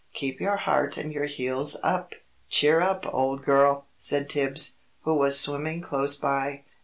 Keep your heart and your heels up." "Cheer up, old girl!" said Tibbs, who was swimming close by.